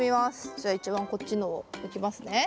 じゃあ一番こっちのをいきますね。